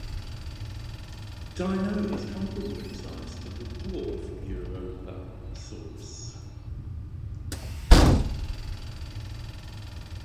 Dino is comparable in size to the dwarf "Europasaurus".